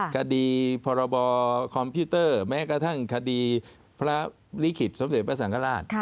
คดีพรบคอมพิวเตอร์แม้กระทั่งคดีพระลิขิตสมเด็จพระสังฆราช